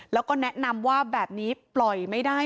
แล้วก็แนะนำว่าแบบนี้ปล่อยไม่ได้